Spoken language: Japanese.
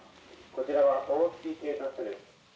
こちらは大月警察署です。